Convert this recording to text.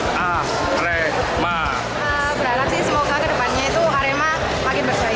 semoga ke depannya arema makin berjaya terus martin bisa kayak singo